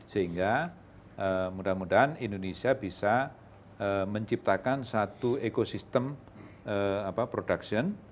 sehingga mudah mudahan indonesia bisa menciptakan satu ekosistem production